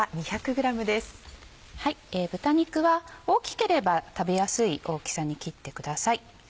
豚肉は大きければ食べやすい大きさに切ってください。